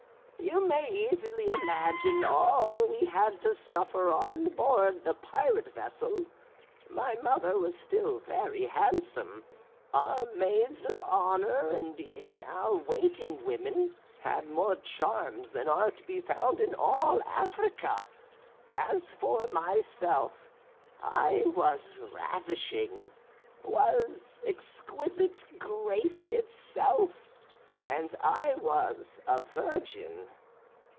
You may easily imagine all we had to suffer on board the pirate vessel. My mother was still very handsome; our maids of honour, and even our waiting women, had more charms than are to be found in all Africa. As for myself, I was ravishing, was exquisite, grace itself, and I was a virgin!